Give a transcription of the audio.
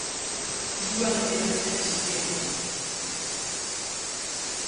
Hiru anaien artean txikiena da.